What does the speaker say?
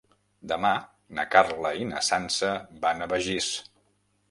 Demà na Carla i na Sança van a Begís.